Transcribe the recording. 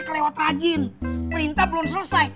kelewat rajin perintah belum selesai